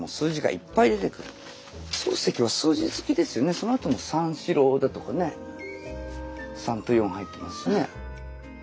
そのあとも「三四郎」だとかね三と四入ってますしね。